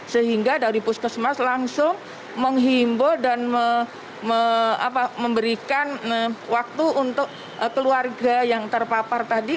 sehingga dari puskesmas langsung menghimbau dan memberikan waktu untuk keluarga yang terpapar tadi